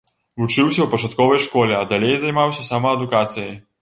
Вучыўся ў пачатковай школе, а далей займаўся самаадукацыяй.